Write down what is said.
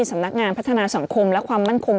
สำนักงานพัฒนาสังคมและความมั่นคง